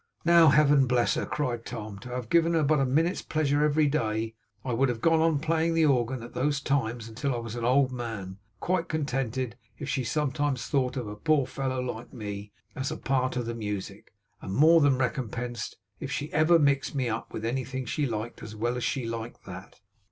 Now, Heaven bless her!' cried Tom, 'to have given her but a minute's pleasure every day, I would have gone on playing the organ at those times until I was an old man; quite contented if she sometimes thought of a poor fellow like me, as a part of the music; and more than recompensed if she ever mixed me up with anything she liked as well as she liked that!